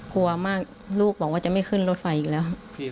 กลัวมากลูกบอกว่าจะไม่ขึ้นรถไฟอีกแล้ว